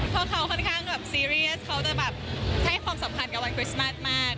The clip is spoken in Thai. เพราะเขาค่อนข้างแบบซีเรียสเขาจะแบบให้ความสำคัญกับวันคริสต์มาสมาก